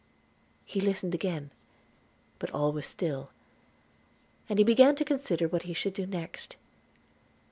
He listened again; but all was still, and he began to consider what he should do next.